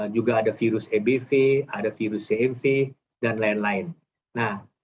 juga ada virus ebv ada virus cmv dan lain lain